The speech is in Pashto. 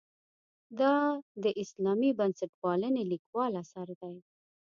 دا د اسلامي بنسټپالنې لیکوال اثر دی.